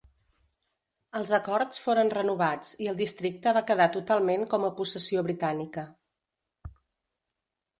Els acords foren renovats i el districte va quedar totalment com a possessió britànica.